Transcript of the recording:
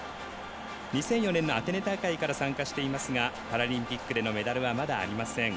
２００４年のアテネ大会から参加していますがパラリンピックでのメダルはまだありません。